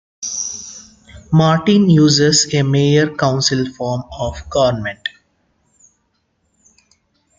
Martin uses a mayor-council form of government.